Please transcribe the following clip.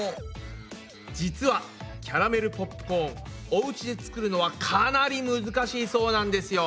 実はキャラメルポップコーンおうちで作るのはかなり難しいそうなんですよ。